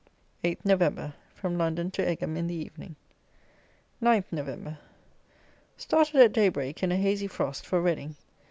8 November. From London to Egham in the evening. 9 November. Started at day break in a hazy frost, for Reading.